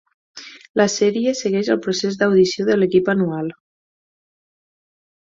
La sèrie segueix el procés d'audició de l'equip anual.